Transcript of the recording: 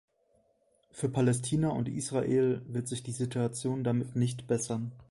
Für Palästina und Israel wird sich die Situation damit nicht bessern.